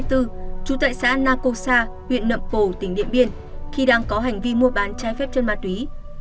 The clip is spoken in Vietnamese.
trú tại xã na cô sa huyện nậm cổ tỉnh điện biên khi đang có hành vi mua bán trái phép chân ma túy